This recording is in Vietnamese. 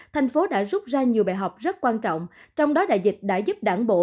thành phố đã rút ra nhiều bài học rất quan trọng trong đó đại dịch đã giúp đảng bộ